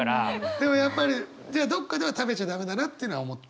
でもやっぱりじゃあどっかでは食べちゃ駄目だなってのは思ってる？